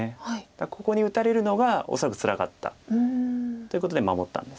だからここに打たれるのが恐らくつらかったということで守ったんです。